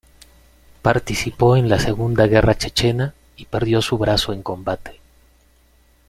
Participó en la Segunda Guerra Chechena y perdió su brazo en combate.